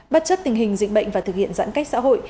bất chấp tình hình dịch bệnh và thực hiện giãn cách xã hội